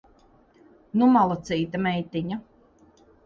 Nu malacīte meitiņa!